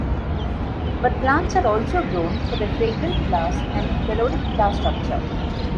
But plants are also grown for their fragrant flowers and peloric flower structure.